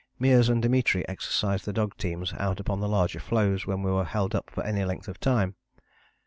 Meares and Dimitri exercised the dog teams out upon the larger floes when we were held up for any length of time.